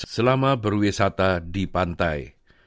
selama berwisata di pantai